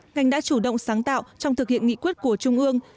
ngành đã chủ động sáng tạo trong thực hiện nghị quyết của trung ương